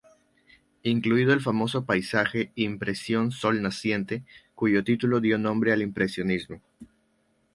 Incluido el famoso paisaje "Impresión, sol naciente" cuyo título dio nombre al impresionismo.